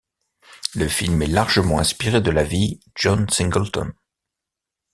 Le film est largement inspiré de la vie John Singleton.